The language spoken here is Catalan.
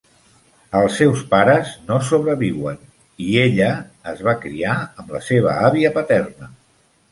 Els seus pares no sobreviuen, i ella es va criar amb la seva àvia paterna.